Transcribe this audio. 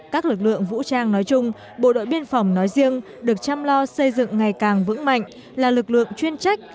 các lực lượng vũ trang nói chung bộ đội biên phòng nói riêng được chăm lo xây dựng ngày càng vững mạnh là lực lượng chuyên trách